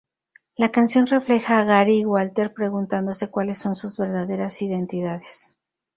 La canción refleja a Gary y Walter preguntándose cuáles son sus verdaderas identidades.